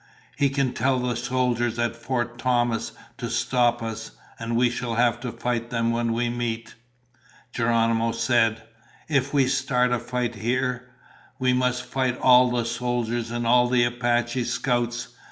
"He can tell the soldiers at Fort Thomas to stop us, and we shall have to fight them when we meet." Geronimo said, "If we start a fight here, we must fight all the soldiers and all the Apache scouts.